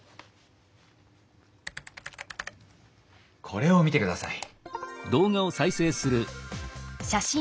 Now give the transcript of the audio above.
これを見てください。